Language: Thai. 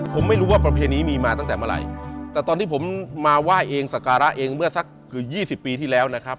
ผมไม่รู้ว่าประเพณีมีมาตั้งแต่เมื่อไหร่แต่ตอนที่ผมมาไหว้เองสการะเองเมื่อสักเกือบยี่สิบปีที่แล้วนะครับ